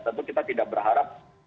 tentu kita tidak berharap